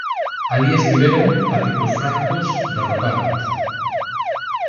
Alí estiveron ata que os francos derrotáronos.